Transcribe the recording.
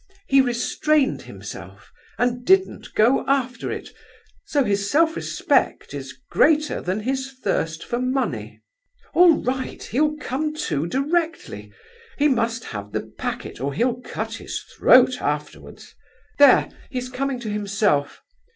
"He restrained himself, and didn't go after it; so his self respect is greater than his thirst for money. All right—he'll come to directly—he must have the packet or he'll cut his throat afterwards. There! He's coming to himself.